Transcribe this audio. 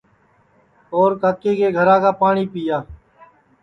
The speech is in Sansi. اور کاکے کے گھرا کا پاٹؔی پِیا